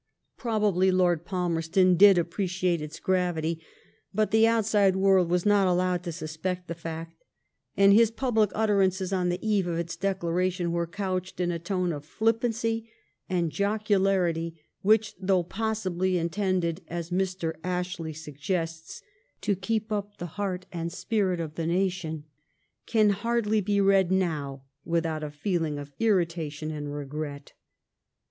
Probably Lord Palmerston did THE ABERDEEN MINISTRY. 157 appreciate its gravity ; but the outside world was not allowed to suspect the fact, and his public utterances on the eye of its declaration were couched in a tone of flippancy and jocularity which, though possibly intended, as Mr. Ashley suggests, to keep up the heart and spirit of the nation, can hardly be read now without a feeling^ of irritation and regret.